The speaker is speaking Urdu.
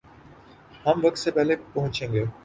ہم وقت سے پہلے پہنچیں گے